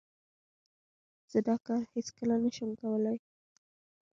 زه دا کار هیڅ کله نه شم کولای.